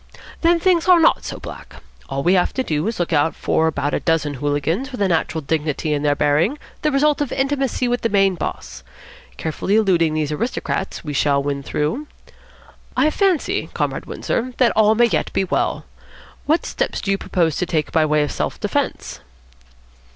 Then things are not so black. All we have to do is to look out for about a dozen hooligans with a natural dignity in their bearing, the result of intimacy with the main boss. Carefully eluding these aristocrats, we shall win through. I fancy, Comrade Windsor, that all may yet be well. What steps do you propose to take by way of self defence?"